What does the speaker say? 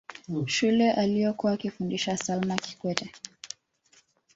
shule aliyokuwa akifundisha salma kikwete